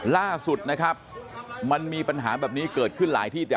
ล่าสุดนะครับมันมีปัญหาแบบนี้เกิดขึ้นหลายที่แต่